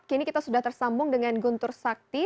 kini kita sudah tersambung dengan guntur sakti